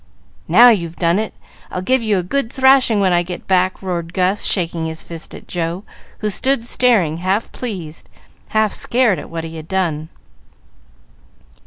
"Now you've done it! I'll give you a good thrashing when I get back!" roared Gus, shaking his fist at Joe, who stood staring, half pleased, half scared, at what he had done.